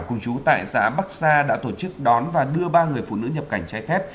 cùng chú tại xã bắc sa đã tổ chức đón và đưa ba người phụ nữ nhập cảnh trái phép